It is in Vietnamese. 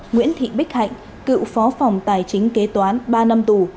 nguyễn thị bích hạnh cựu phó phòng tài chính kế toán ba năm tù